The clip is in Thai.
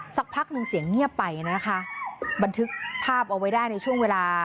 สักพักหนึ่งเสียงเงียบไปนะคะบันทึกภาพเอาไว้ได้ในช่วงเวลา